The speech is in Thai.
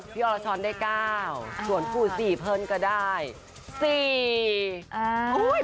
พี่อรชรได้เก้าส่วนผู้ซีเพิ่นก็ได้สี่